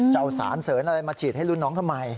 จะเอาสารเสริญอะไรมาฉีดให้รุ่นน้องทำไม